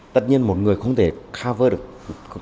tất nhiên một người không thể cover được